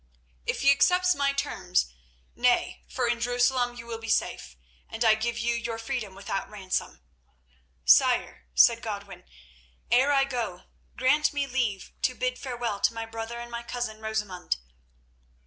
"If he accepts my terms, nay, for in Jerusalem you will be safe, and I give you your freedom without ransom." "Sire," said Godwin, "ere I go, grant me leave to bid farewell to my brother and my cousin Rosamund."